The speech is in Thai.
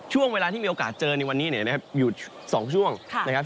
ช่วงเวลาที่มีโอกาสเจอในวันนี้เนี่ยนะครับอยู่๒ช่วงนะครับ